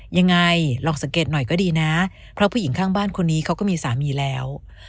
ยังไงลองสังเกตหน่อยก็ดีนะเพราะผู้หญิงข้างบ้านคนนี้เขาก็มีสามีแล้ว